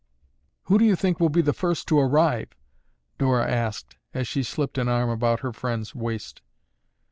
"Who do you think will be the first to arrive?" Dora asked as she slipped an arm about her friend's waist.